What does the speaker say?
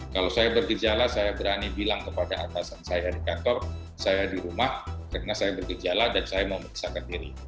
kalau saya bergejala saya berani bilang kepada atasan saya di kantor saya di rumah karena saya bergejala dan saya memeriksakan diri